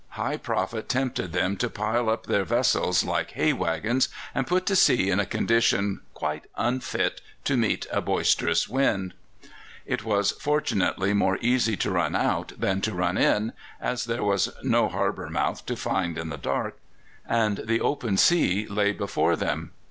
High profit tempted them to pile up their vessels like hay waggons, and put to sea in a condition quite unfit to meet a boisterous wind. It was fortunately more easy to run out than to run in, as there was no harbour mouth to find in the dark, and the open sea lay before them.